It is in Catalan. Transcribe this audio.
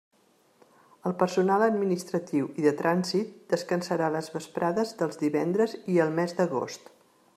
El personal administratiu i de trànsit descansarà les vesprades dels divendres i el mes d'agost.